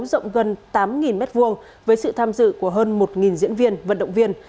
rộng gần tám m hai với sự tham dự của hơn một diễn viên vận động viên